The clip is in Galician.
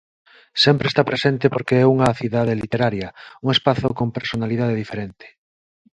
Sempre está presente porque é unha cidade literaria, un espazo con personalidade diferente.